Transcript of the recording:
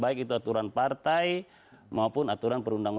baik itu aturan partai maupun aturan perundangan